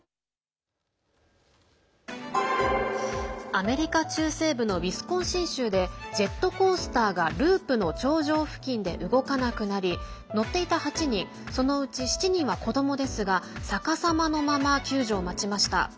アメリカ中西部のウィスコンシン州でジェットコースターがループの頂上付近で動かなくなり乗っていた８人そのうち７人は子どもですが逆さまのまま、救助を待ちました。